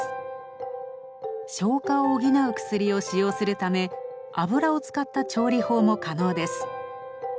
消化を補う薬を使用するため油を使った調理法も可能です。